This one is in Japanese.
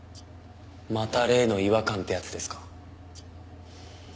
また例の違和感ってやつですか？